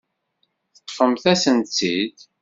Teṭṭfemt-asen-tt-id.